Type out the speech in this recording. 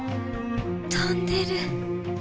飛んでる。